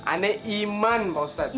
aneh iman pak ustadz